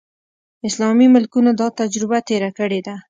اسلامي ملکونو دا تجربه تېره کړې ده.